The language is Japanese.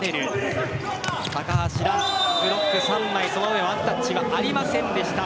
ブロック３枚、その上ワンタッチはありませんでした。